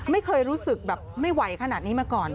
ไม่เคยรู้สึกแบบไม่ไหวขนาดนี้มาก่อน